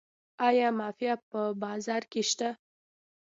آیا مافیا په بازار کې شته؟